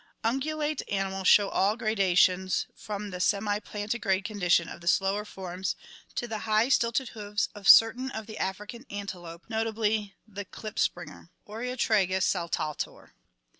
Ungulate animals show all gradations from the semiplanti grade condition of the slower forms to the high, stilted hoofs of certain of the African ante lope, notably the klipspringer (Oreotragus saltator).